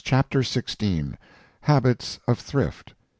CHAPTER XVI. HABITS OF THRIFT.